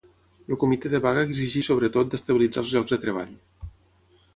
El comitè de vaga exigeix sobretot d’estabilitzar els llocs de treball.